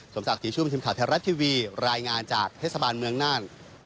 สมศักดิ์ชุ่มทีมข่าวไทยรัฐทีวีรายงานจากเทศบาลเมืองน่าน